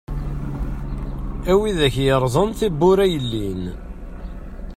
A widak yeṛẓan tibbura yellin.